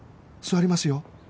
座りますよ？